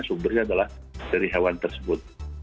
sumbernya adalah dari hewan tersebut